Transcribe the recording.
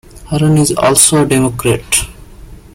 Horan is also a Democrat.